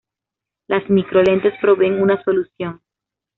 Las micro lentes proveen una solución.